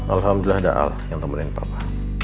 alhamdulillah ada al yang temenin papa